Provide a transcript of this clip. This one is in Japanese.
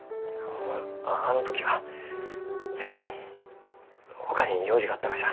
ああの時はそのほかに用事があったがじゃ。